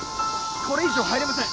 これ以上入れません。